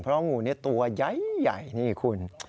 เพราะงูนี่ตัวใหญ่นี่คุณ